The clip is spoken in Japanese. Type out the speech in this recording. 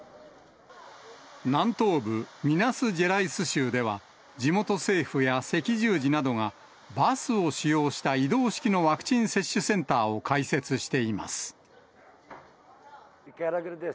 南東部ミナスジェライス州では、地元政府や赤十字などが、バスを使用した移動式のワクチン接種センターを開設しています。